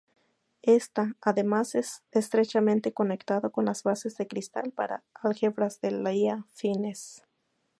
Está además estrechamente conectado con las bases de cristal para álgebras de Lie afines.